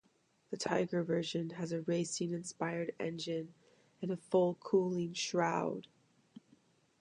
The Tiger version had a racing inspired engine and a full cooling shroud.